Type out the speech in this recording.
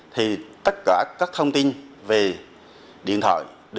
thì tất cả các thông tin về điện thoại được gửi ra